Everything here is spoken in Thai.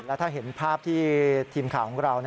แล้วถ้าเห็นภาพที่ทีมข่าวของเรา